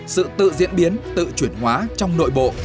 sự tự diễn biến tự chuyển hóa trong nội bộ